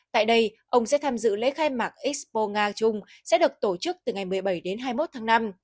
tại đây ông sẽ tham dự lễ khai mạc expo nga chung sẽ được tổ chức từ ngày một mươi bảy đến hai mươi một tháng năm